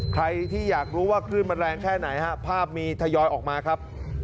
ใครที่อยากรู้ว่าคลื่นมันแรงแค่ไหนฮะภาพมีทยอยออกมาครับ